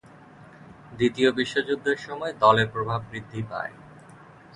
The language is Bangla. দ্বিতীয় বিশ্বযুদ্ধের সময় দলের প্রভাব বৃদ্ধি পায়।